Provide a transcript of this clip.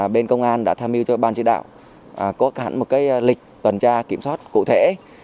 bên công an đã tham mưu cho ban chỉ đạo có cả một lịch tuần tra kiểm soát cụ thể